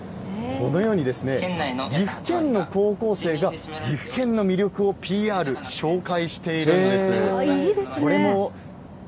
このようにですね、岐阜県の高校生が岐阜県の魅力をＰＲ、紹いいですね。